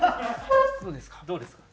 どうですか？